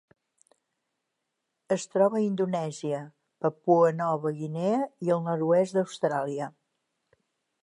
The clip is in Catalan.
Es troba a Indonèsia, Papua Nova Guinea i el nord-oest d'Austràlia.